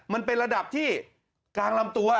มันเป็นระดับที่กลางลำตัว